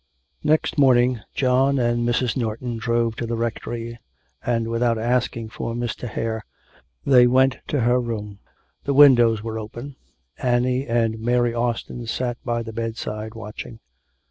XV. Next morning John and Mrs. Norton drove to the Rectory, and without asking for Mr. Hare, they went to her room. The windows were open; Annie and Mary Austin sat by the bedside watching.